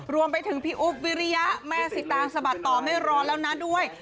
รวมไปถึงพี่อุ๊บวิริยะแม่สิตางสะบัดต่อไม่รอแล้วนะด้วย